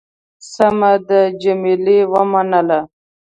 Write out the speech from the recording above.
سمه ده. جميله ومنله.